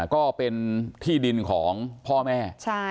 ก็เป็นที่ดินของพ่อแม่